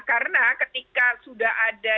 karena ketika sudah ada